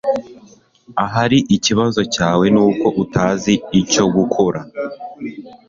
Ahari ikibazo cyawe nuko utazi icyo gukora